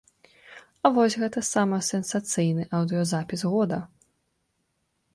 А вось гэта самы сенсацыйны аўдыёзапіс года.